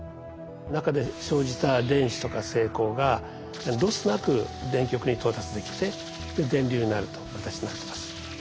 中で生じた電子とか正孔がロスなく電極に到達できて電流になるという形になってます。